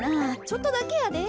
ちょっとだけやで。